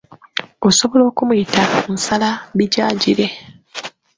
Osobola okumuyita nsalabijanjire.